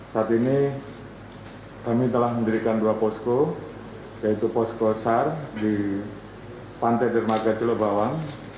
saat ini kami telah mendirikan dua posko yaitu pos kosar di pantai dermaga celuk bawang